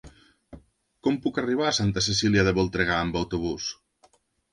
Com puc arribar a Santa Cecília de Voltregà amb autobús?